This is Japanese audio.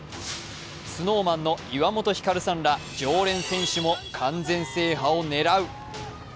ＳｎｏｗＭａｎの岩本照さんら常連選手も完全制覇を狙う。